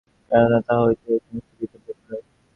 কেন না, তাহা হইতেই এই সমস্ত বিপদ ঘটিল।